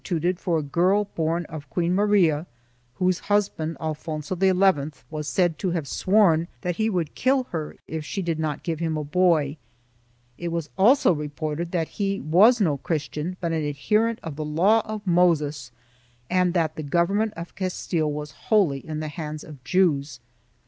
102 THE JEWS AND THE CONVERSOS [BOOK I for a girl born of Queen Maria whose husband, Alfonso XI, was said to have sworn that he would kill her if she did not give him a boy. It was also reported that he was no Christian but an adherent to the Law of Moses and that the government of Castile was wholly in the hands of Jews.